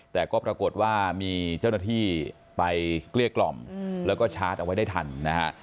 แต่ก็ปรากฏว่ามีเจ้าหน้าที่ไปเกลี้ยกล่อมแล้วก็ชาร์จเอาไว้ได้ทันนะฮะ